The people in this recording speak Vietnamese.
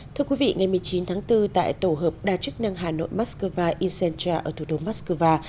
thưa quý vị ngày một mươi chín tháng bốn tại tổ hợp đa chức năng hà nội moscow incentra ở thủ đô moscow